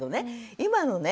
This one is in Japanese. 今のね